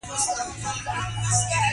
دوی له ماشومتوبه دښمن له نږدې احساس کړی.